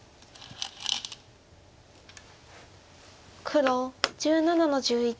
黒１７の十一。